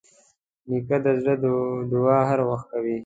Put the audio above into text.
نیکه د زړه دعا هر وخت کوي.